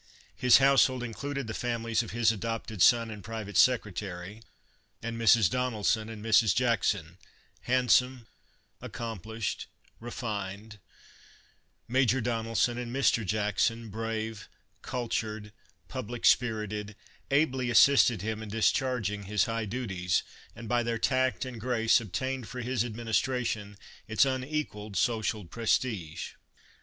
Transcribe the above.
His household included the families Christmas Under Three ricigs of his adopted son and private secretary, and Mrs. Donelson and Mrs. Jackson, handsome, accom plished, reined; Major Donelson and Mr. Jackson, brave, cultured, public spirited, ably assisted him in discharging his high duties, and by their tact and grace obtained for his administration its unequaled social prestige.